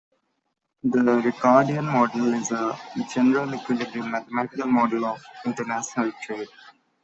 The Ricardian model is a general equilibrium mathematical model of international trade.